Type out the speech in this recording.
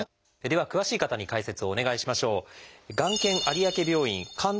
では詳しい方に解説をお願いしましょう。